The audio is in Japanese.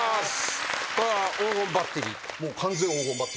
これは黄金バッテリー。